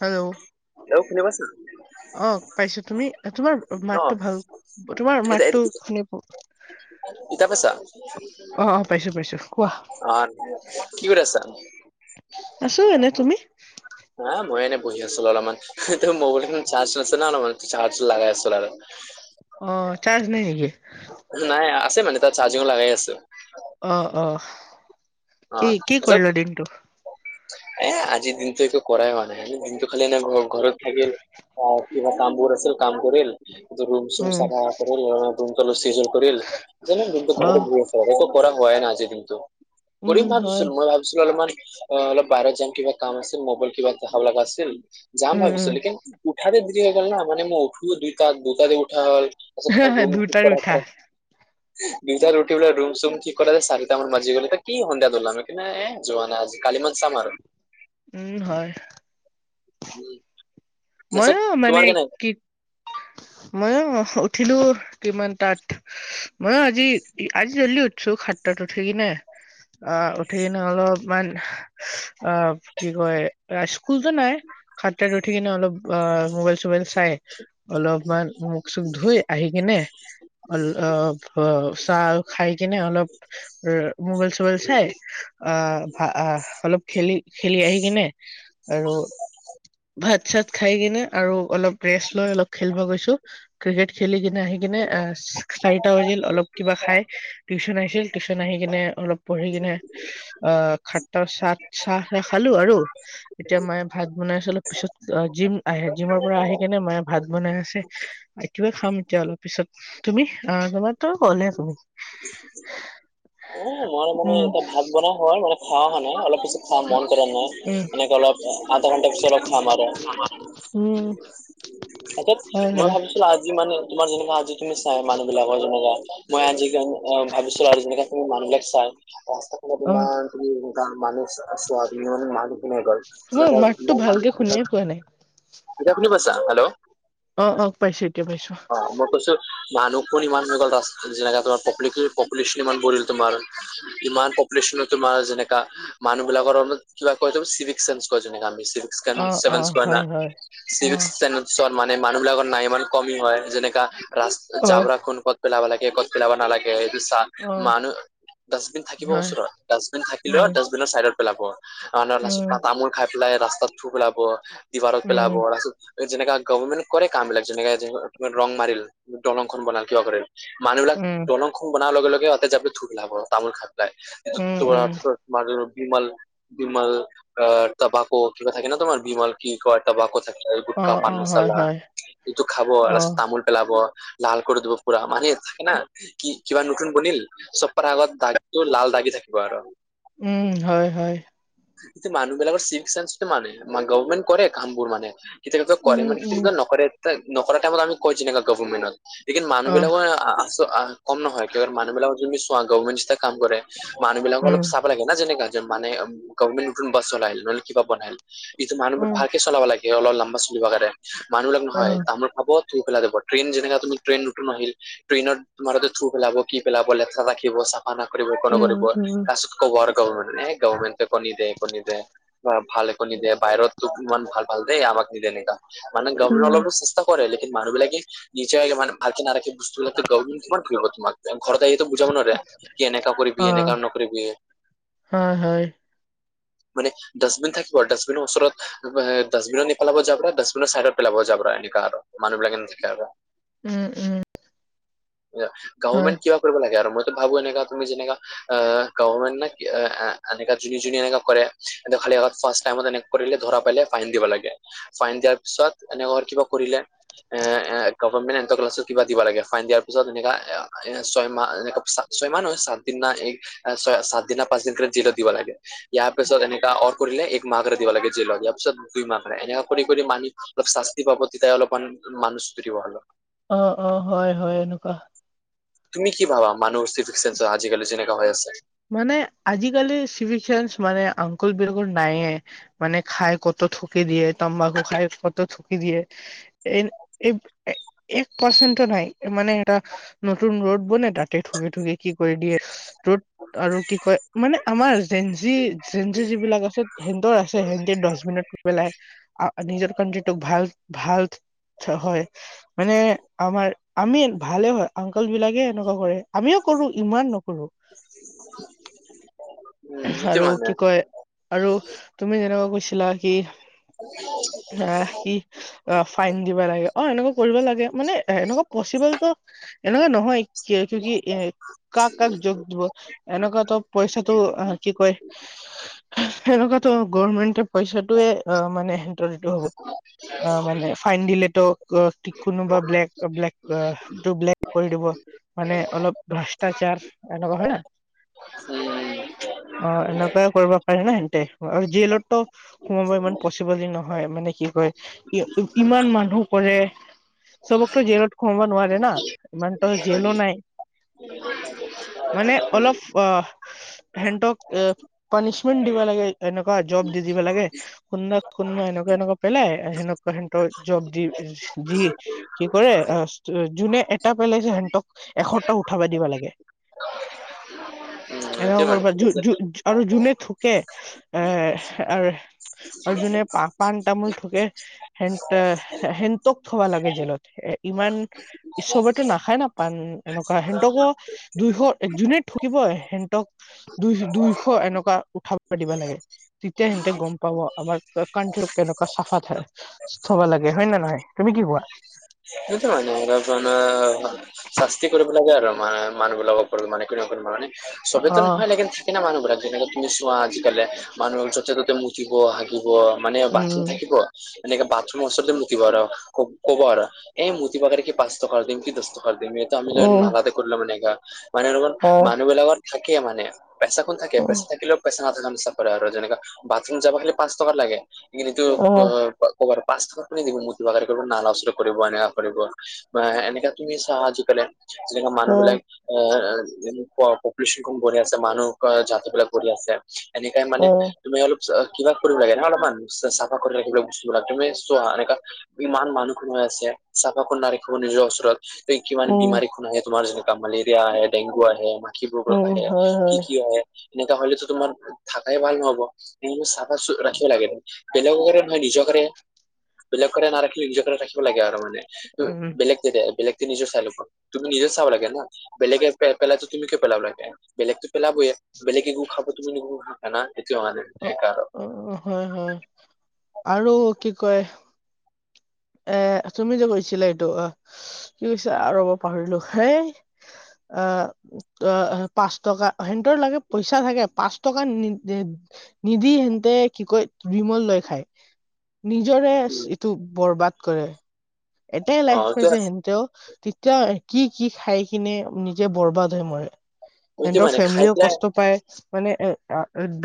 Hello hello শুনা পাইছা? অ পাইছো তুমি তোমাৰ অ মাতটো ভাল তোমাৰ মাতটো শুনি ইতা পাইছা? অ অ পাইছো পাইছো কোৱা অ কি কৰি আছা? আছো এনে। তুমি? হা মই এনে বহি আছিলো অলপমান। তোৰ মোবাইল চাৰ্জ আছিল ন অলপমান চাৰ্জ লগাই আছিলো আৰু। অ চাৰ্জ নাই নেকি? নাই আছে মানে তাৰ চাৰ্জিঙো লগাই আছো। অ‌ অ। অ কি কি পাছত কৰিলা দিনটো এ আজিৰ দিনটো একো কৰাই হোৱা নাই। আজি দিনটো খাল এনে ঘ-ঘৰত থাকিল, কিবা কামবোৰ আছিল কাম কৰিল তোৰ ৰুম-চুম উম চফা কৰিল‌ অলপ ৰুমটো চিজিল অলপ কৰিল। এনেই দিনতো অ ঘৰতে বহি একো কৰা হয় নাই আজি দিনতো। উম কৰিম হয় ভাবিছিলো মই ভাবিছিলো অলপমান অ অলপ বাহিৰত যাম কিবা কাম আছিল মোবাইল কিবা দেখাব লগা আছিল। যাম উম ভাবিছো উম লেকিন উঠাতে দিৰি হৈ গল না, মানে মই উঠো দুটা দুটা তিনিটা দুটাত উঠা [unintelligible] দুটা উঠি ৰুম-চুম ঠিক কৰা চাৰিতা মান বাজি গল এতিতা কি সন্ধিয়া উলাম সেইকাৰণে যোৱা নাই। কালি মান চাম আৰু। উম হয়। উম। তাৰপিছত ময়ো তোমাৰ মানে কেনে কি, ময়ো উঠিলো কিমান তাত মই আজি আজি জল্দি উঠছো সাতটাত উঠি কিনে আ উঠি কিনে অলপমান আ কি হয় আ স্কুলটো নাই। সাততাত উঠি কিনে অলপ অ মোবাইল-চোবাইল চাই [inaudible] অলপমান মুখ-চুখ ধুই আহি কিনে অ অলপ চাহ খাই কিনে অলপ অ মোবাইল-চোবাইল চাই, আহ ভা আ অলপ খেলি খেলি আহিকিনে আৰু ভাত-চাত খাই কিনে আৰু অলপ ৰেষ্ট লৈ অলপ খেলিব গৈছো। ক্ৰিকেট খেলি কিনে আহি কিনে অ চাৰিটা বাজিল অলপ কিবা খাই টিউশচন আহিছিল টিউশন আহি কিনে অলপ পঢ়ি কিনে অ খাতা চাত চাহ খালো আৰু এতিয়া মাই ভাত বনাইছিল পিছত জিম আহে জিমৰ পৰা আহি কেনে মায়ে ভাত বনাই আছে কিবা খাম এতিয়া অলপ পিছত, তুমি আহ তোমাৰ তো ক'লে তুমি। অ মই মানে উম এতিয়া ভাত বনোৱা হল মানে খাও মানে অলপ পিছত। খাব মন কৰা নাই, উম এনেকে অলপ আধা ঘন্টা পিছত অলপ খাম আৰু। উম। তাকে হয় মই হয় ভাবিছিলোঁ আজি মানে, তোমাৰ যেনেকা আজি তুমি চাই মানুহ বিলাকৰ যেনেকুৱা, মই আজি ভাবিছিলো আৰু যেনেকা তুমি মানুহ বিলাক চাই, সস্তাখনত অ তোমাৰ তুমি মানুহ চা চোৱা তুমি মানে মানুহখিনি গ'ল তোমাৰ তেনেকুৱা মাততো মোৰ ভালকে শুনাই মানুহখিনিৰ, পোৱা নাই এতিয়া কোনে কৈছা, হেল্ল? অ অ পাইছো, এতিয়া পাইছো। অ মই কৈছো মানুহখন ইমান হৈ গ'ল ৰাস্তা যেগাতো তোমাৰ পপুলেকে পপুলেশ্যন ইমান পৰিল তোমাৰ। ইমান পপোলেশ্যনত তোমাৰ যেনেকা, মানুহ বিলাকৰ কিবা কয় চিভিক চেঞ্চ কয় যেনেকা আমি। চেঞ্চ অ অ চেভেঞ্চ কয় না হয় হয় অ চিভিকচেঞ্চ চন মানে মানুহ বিলাকৰ নাই ইমান কমি হয় যেনেকা ৰাস্ত অ জাবৰাখন ক'ত পেলাব লাগে ক'ত পেলাব নালাগে এইটো চা অ মানুহ ডাষ্টবিন থাকিব হয় ওচৰত, ডাষ্টবিন থাকিলেও উম ডাষ্টবিনৰ চাইডত পেলাব। আ না উম তাপিছত তামোল খাই পেলাই ৰাস্তাত থু পেলাব, দিৱাৰত উম পেলাব, তাপিছত যেনেকা গভৰ্মেণ্ট কৰে কাম বিলাক যেনেকে ত ৰং মাৰিল, দলংখন বনাল, কিবা কৰিল মানুহবিলাক উম দলংখন বনাৰ লগে লগে সিহঁতে যাব থু পেলাব তামোল খাই পেলাই য উম তোমাৰ উম তমাৰ বিমল বিমল অ তবাকু কিবা থাকে ন তোমাৰ বিমল কি কয় তবাকো থাকে, অ গুটকা, পান অ হয় মচালা হয় তো খাব অ আৰু তামোল পেলাব লাল কৰি দিব পুৰা মানে থাকে না। কি কিবা নতুন বনিল চব কথা আগত দাগটো লাল দাগি থাকিব আৰু। উম হয় হয়। এইটো মানুহ বিলাকৰ চিভিকচেঞ্চটো মানে গভমেণ্ট কৰে কামবোৰ মানে, কেতিয়া উম কৰে মান উম কেতিয়া নকৰে নকৰা টাইমত আমি কৈছ এনেকা গভৰ্মেণ্টত লেকিন অ মানুহবিলাকৰে আ কম নহয় মানুহ বিলাকৰ যদি চোৱা গভমেণ্ট যেতিয়া কাম কৰে, মানুহ বিলাকৰ উম অলপ চাব লাগে না যেনেকা এজন মানে গভমেণ্ট নতুন বাছ চলাইল নহলে কিবা বনাই ইটো মানুহবোৰ উম, ভালকে চলাব লাগে অলপ লম্বা চলিব কাৰণে মানুহবলাক নহয় উম, তামোল খাব থু পেলাই যাব। ট্ৰেইন যেনেকা তুমি ট্ৰেইন নতুন আহিল, ট্ৰেইনত তোমাৰলোকে থু পেলাব কি পেলাব লেতেৰা ৰাখিব চাব মানা কৰিব এক নকৰিব উম, লাষ্টত কব আৰু গভমেণ্ট এ গভমেণ্ট একো নিদে একো নিদে ভালে একো নিদিয়ে বাহিৰত তোক ইমান ভাল ভাল দেই আমাক নিদে এনেকা। মানে গভটে উম। অলপতো চেষ্টা কৰে লেকিন মানুহ বিলাকে নিজে মানে, ভালকে নাৰাখে বস্তুবিলাক তো গৰ্ভমেণ্টে কিমান কৰিব তোমাক, ঘৰত আহিতো বুজাব নোৱাৰে। কি এনেকা কৰিবি এনেকা নকৰিবি। অ' হয়। মানে, ডাষ্টবিন থাকিব ডাষ্টবিনৰ ওচৰত ডাষ্টবিনত নেপেলাব যাবৰা, ডাষ্টবিনৰ চাইডত পেলাব যাবৰা এনেকা আৰু। মানুহ বিলাক নাথাকিলে আৰু। উম উম। ইয়া হয়। গভমেণ্ট কিয় কৰিব লাগে আৰু মইতো ভাবো এনেকা তুমি যেনেকা এ গভমেন্টে এ এনকা যোনে যোনে এনেকা কৰে এ খালী ফাৰ্ষ্ট টাইমত এনেকা কৰিলে ধৰা পাইলে ফাইন দিব লাগে। ফাইন দিয়াৰ পিছত এনেকুৱা কিবা কৰিলে? এ এ গভমেণ্ট এট ক্লাছত কিবা দিব লাগে ফাইন দিয়াৰ পিছত এনেকা এ ছয় মাহ এ- ছয় মাহ সাত দিনা এই ছয় সাত দিনা পাঁচ দিনক জিলত দিব লাগে। ইয়াৰ পিছত এনেকা অঁ কৰিলে এক মাহাক দিব লাগে জেলত দিয়া পিছত দুই মাকৰে এনে কৰি কৰি মানি- অলপ শাস্তি পাব তে তাই অলপমান মানুছ তোৰ দিব হলো- অঁ অঁ হঁয় হয়ঁ এনেকুৱা হঁয়। তুমি কি ভাবা মানুহ চিফিকে আজিকালি যেনেকা হৈ আছে। মানে আজিকালি চিভ চা মানে আংকুল বিলকুল নাইয়ে। মানে খাই কত থুকি দিয়ে তম্বাকু খাই কত থুকি দিয়ে। এই এক পাৰ্চেণ্ট নাই মানে এটা- নতুন ৰদ বনাই তাতে ঠুকি ঠুকি- কি কৰি দিয়ে ত'ত আৰু কি কয় মানে আমাৰ জেঞ্জি জেঞ্জি যিবিলাক আছে- সিহতৰ আছে সিহতে দাচবিনত পেলাই নিজৰ কণ্ট্ৰিটোক ভাল ভাল- চা, হয় মানে আমাৰ আমি ভালে হয়ঁ আংকল বিলাকে এনেকুৱা কৰে আমিও- কৰো ইমান নকৰোঁ। উম, এইটো আৰু মানে কি কয় আৰু তুমি যেনেকুৱা কৈছিলা কি- [unintelligible] ৰাহি অঁ ফাইন দিব লাগে অঁ এনেকুৱা কৰিব লাগে মানে এনেকুৱা পচিবলতো- এনেকুৱা নহয় ক কি এ কাক কাক যোগ দিব এনেকুৱাতো পইচাটো- আহ, কি কয়, সেনেকুৱোটো গমেন্টে পইচাটোয়ে অঁ মানে- তো হ'ব অঁ মানে ফাইন দিলেতো- কোনোবা ব্লেক ব্লেক ব্লেক কৰি দিব- মানে অলপ ভ্ৰষ্টাচাৰ এনেকুৱা হয়না। উম অঁ এনেকুৱাই কৰিব পাৰি ন সেনেতে আৰু দিলেতো - সোমাব ইমান পচিবল নহয় মানে কি কয় ইমান মানুহ কৰে- চবকতো জিয়েন হোমাব নোৱাৰে না ইমান ত জেয়েনো নাই। মানে অলপ অহ- সেহতক এ পানিচমেন্ট দিব লাগে এনেকুৱা জব দি দিব লাগে। কোনবা কোনোবা এনেকুৱা এনেকুৱা পেলাই সেনেকুৱা সহত জব দি দি- কি কৰে যোনে এটা পেলাইছে সিহতক এশটা উঠাবা দিব লাগে। উম এইটো এনেকুৱা কৰিব- মানে ঠিক আছে উমঁ আৰু জুনে ঠুকে আহ আৰু- আৰু জোনে পা পাণ তামোল থুকে- সেনটে হেটক থবা লাগে জেলত ইমান- চবতে নাখায় না পান এনেকুৱা সিহঁতকো- দুইশ এক জোনে থাকিব হেণ্টক- দুই দুইশ এনেকুৱা উঠাব দিৱ লাগে। তেতিয়া সেহতে গম পাব আমাৰ কানট কেনেকুৱা চাফা ঠাই। থবা লাগে হয়ঁ নে নহয় তুমি কি কোৱা? সেইটো মানে আৰু জানা শাস্তি কৰিব লাগে আৰু মানে- মানুহবিলাক ওপৰত মানে কোনো মানে অ চবেতো নহয় লেকিন থাকেনা মানুহবিলাকে যেনেক- কিন্তু চোৱা আজিকালি মানুহ য'তে ত'তে মুঠিব হাগিব মানে উম বাথৰুম থাকিব- এনেকে বাথৰুমৰ ওচৰতে মুতিব আৰু ক'ব এই মুতি পকাৰে- পাঁচৰ টকাৰ কৰি দিম কি দহ টকাৰ কৰি দিম এইটো আমি উম নালাতে কৰিলো ম নেগা মানে হয় মানুহ বিলাকৰ থাকে মানে পইচা কোন থাকে পইচা উম থাকিলেও পইচা নথাকে আৰু যেনেকা বাথৰুম যাবা পাঁচ টকা লাগে কিন্তু অ ক'ব পাঁচ টকা কোনে দিব মুতিবৰ কৰিব নালা ওচৰত কৰিব এনেকা কৰিব এনেকা তুমি চাহ আজিকালি যেনেকে অ মানুহবিলাক এই পপুলেশ্যন কম বঢ়ি আছে মানুহ জাতি বিলাক গঢ়ি আছে। এনেকাই মানে অ তুমি অলপ কিবা কৰিব লাগে না অলপমান চফা কৰি ৰাখিব লাগে বস্তু বিলাক তুমি চোৱা এনেকা ইমান মানুহ খন হৈ আছে চাফা কোন ৰাখিব নিজৰ ওচৰত? ত কিমান উম বেমাৰী খন আহে তোমাৰ যেনেকা মালেৰিয়া আহে ডেংগু আহে মাখিবোৰ উম আহে। হয় কি কি হয় এনেকা হলেইতো তোমাৰ থাকাই ভাল নহব সনে চাফা কৰি ৰাখিব লাগে। বেলেগক কাৰণে নহয় নিজকৰ কাৰণে বেলেগকে নাৰাখিলে নিজকে ৰাখিব লাগে আৰু মানে। উম [inaudible] বেলেগে নিজে চাই লিব তুমি নিজৰ চাব লাগে না বেলেগে পেলায় তো। তুমি কিয় পেলাব লাগে? অ [inaudible] অ হয় হয়। আৰু কি কয়? এ তুমি যে কৈছিলা এইটো অ কি কৈছা ৰ'বা পাহৰিলোঁ সেই অঁ। অ পাঁচ টকা সিহঁতৰ লাগে পইচা থাকে পাঁচ টকা নিদি নিদিয়ে সিহঁতে কি কয় বিমল লৈ খায়। নিজৰে এইটো বৰবাদ কৰে এটাই অ লাইফ পাইছে সিহঁতেও। তেতিয়াও কি কি খাই কিনে নিজে বৰবাদ হয় মৰে। সেইটো সিহঁতৰ মানে খাই ফেমিলিও পেলাই কষ্ট পায়। মানে এ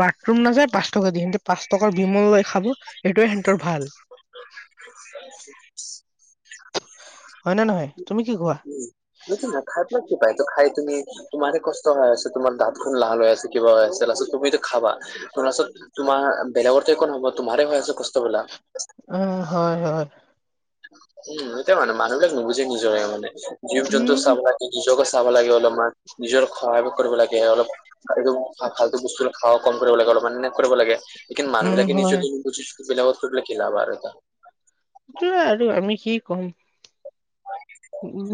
বাথৰুম নাযায় পাঁচ টকা দি সিহতে পাঁচ টকাৰ বিমল খায়। খাব সেইটোয়ে সিহঁতৰ ভাল। [inaudible] হয় নে নহয় তুমি কি কোৱা? হেটো নাই খাই কি পায় তটো খাই তুমি তোমাৰে কষ্ট হৈ আছ তোমাৰ দাঁতখন লাল ল হৈ আছে কিবা হয় আছে তুমিতো খাবা। শুনাচোন তোমাৰ বেলেগৰতে একো নহব তোমাৰ হৈ আছে কষ্ট বিলাক। উম হয় হয়। উম এটাই মানে মানুহবিলাক নুবুজে নিজৰে মানে জীৱ-জন্তু উম চাব লাগে। নিজকে চাব লাগে অলপমান নিজৰ সহায় কৰিব লাগে সেইটো ফালটো বস্তু খাবা কম কৰিব লাগে অলপ নেগলেট কৰিব লাগে লেকিন মানুহ উম, বিলাকে হয়, নিজক বুজিছো বেলেগক কয় কি লাভ আৰু। সেইয়া আৰু আমি কি ক'ম।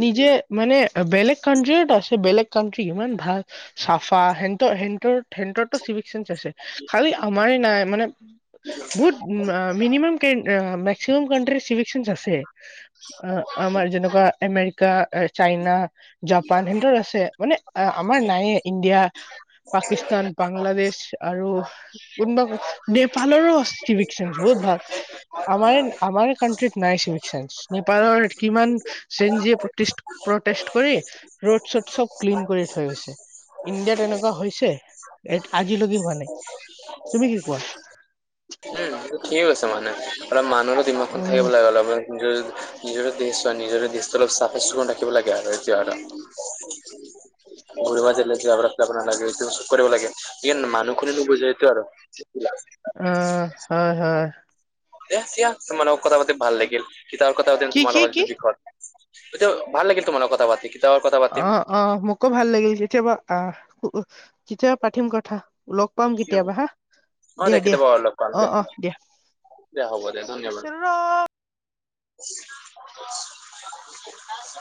নিজে মানে বেলেগ কান্ট্ৰি ও ত আছে বেলেগ কান্ট্ৰি ত ইমান ভাল চাফা হেতৰ হেতৰ হেতটো চিভিক চেন্স আছে খালি আমাৰ নাই মানে। বহুত মিনিমাম মেক্সিমাম চিবিল চেন্স আছে। অ আমাৰ যেনেকুৱা আমেৰিকা ছাইনা জাপান সিতঁৰ আছে মানে আমাৰ নাই ইণ্ডিয়া পাকিস্তান বাংলাদেশ আৰু কোনোবা নেপালৰো আছে। চিবিল চেন্স বহুত ভাল। আমাৰে আমাৰে আমাৰ কান্ট্ৰিজ নাই চিবিল চেন্স। নেপালৰ কিমান চেনজিয় প্ৰটেষ্ট কৰি ৰোড চড চব ক্লিন কৰি থয় গৈছে। ইণ্ডিয়াত এনেকুৱা হৈছে আজিলৈকে হোৱা নাই তুমি কি কোৱা? তই ঠিক কৈছ মানে অলপ মানুহৰো দিমাকখন থাকিব আহ লাগে অলপমান নিজৰ নিজৰে দেশ হয় নিজৰে দেশটো অলপ চাফা চিকুণ ৰাখিব লাগে আৰু এতিয়া আৰু গৰিবা য নালাগে এইটো চব কৰিব লাগে কি মানুহখনে নুবুজে এইটো আৰু [inaudible] অ' হয় হয় এহ দিয়া তোমাৰ লগত কথা পাতি ভাল লাগিল সীতাৰ কথা পাতিম কি কি তোমালোকৰ যিটো কি বিষয়ত এইটো ভাল লাগিল তোমাৰ লগত কথা পাতি। কেতিয়াবা কথা পাতিম। অ। অ' মোকো ভাল লাগিল কেতিয়াবা আ কেতিয়াবা পাঠিম কথা লগ পাম কেতিয়াবা হা ন দিয়া দিয়া অ' অ' দিয়া। দিয়া হ'ব দিয়া ধন্যবাদ।